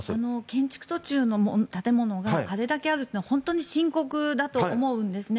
建築途中の建物があれだけあるというのは本当に深刻だと思うんですね。